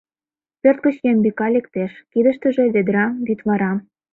Пӧрт гыч Ямбика лектеш; кидыштыже — ведра, вӱдвара.